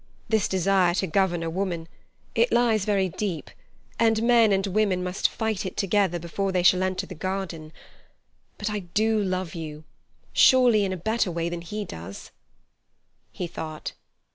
This desire to govern a woman—it lies very deep, and men and women must fight it together before they shall enter the garden. But I do love you surely in a better way than he does." He thought.